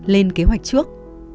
lên kế hoạch trước